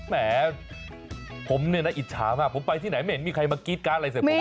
แหมผมเนี่ยนะอิจฉามากผมไปที่ไหนไม่เห็นมีใครมากรี๊ดการ์ดอะไรใส่ผม